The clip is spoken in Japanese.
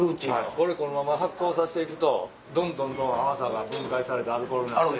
これこのまま発酵させて行くとどんどん甘さが分解されてアルコールになって。